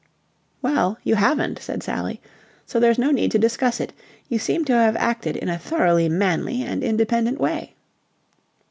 "Well, you haven't," said Sally, "so there's no need to discuss it. You seem to have acted in a thoroughly manly and independent way."